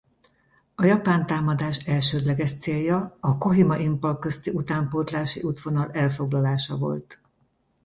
A japán támadás elsődleges célja a Kohima-Imphal közti utánpótlási útvonal elfoglalása volt.